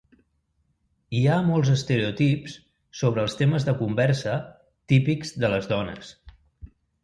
Hi ha molts estereotips sobre els temes de conversa típics de les dones.